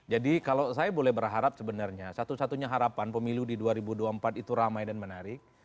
jadi kalau saya boleh berharap sebenarnya satu satunya harapan pemilu di dua ribu dua puluh empat itu ramai dan menarik